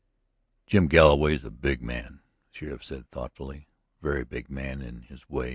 "Jim Galloway is a big man," the sheriff said thoughtfully. "A very big man in his way.